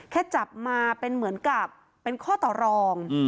แค่จับมาเป็นเหมือนกับเป็นข้อต่อรอง